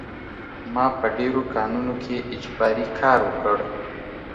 ما په ډېرو کانونو کې اجباري کار وکړ